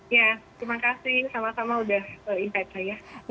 ya terima kasih sama sama udah insight saya